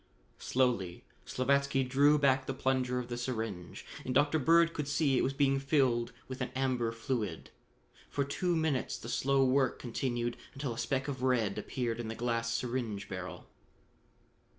Slowly Slavatsky drew back the plunger of the syringe and Dr. Bird could see it was being filled with an amber fluid. For two minutes the slow work continued, until a speck of red appeared in the glass syringe barrel.